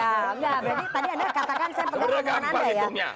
enggak berarti tadi anda katakan saya pengaruh dengan anda ya